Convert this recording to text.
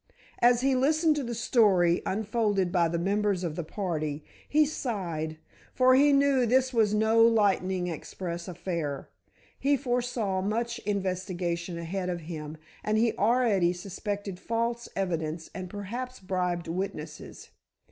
As he listened to the story unfolded by the members of the party, he sighed, for he knew this was no lightning express affair. He foresaw much investigation ahead of him, and he already suspected false evidence and perhaps bribed witnesses.